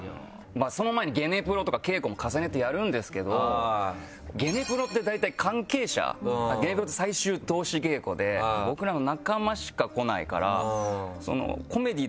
その前にゲネプロとか稽古も重ねてやるんですけどゲネプロって大体関係者ゲネプロって最終通し稽古で僕らの仲間しか来ないから。